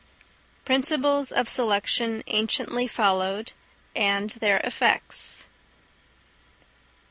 _Principles of Selection anciently followed, and their Effects.